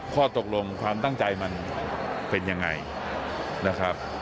ข้อตกลงความตั้งใจมันเป็นยังไงนะครับ